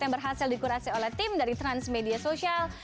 yang berhasil dikurasi oleh tim dari transmedia sosial